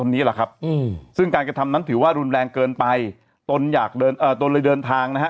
นั้นถือว่ารุนแรงเกินไปตนเลยเดินทางนะฮะ